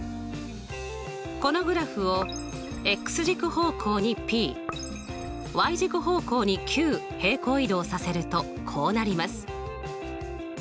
このグラフを軸方向にｐ軸方向にｑ平行移動させるとこうなります。